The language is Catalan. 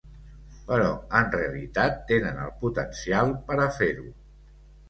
Però en realitat tenen el potencial per a fer-ho.